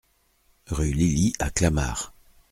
Rue Lily à Clamart